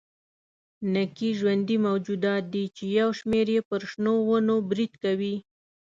نکي ژوندي موجودات دي چې یو شمېر یې پر شنو ونو برید کوي.